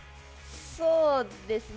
そうですね。